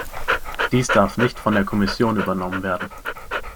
Dies darf nicht von der Kommission übernommen werden.